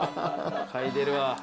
嗅いでるわ。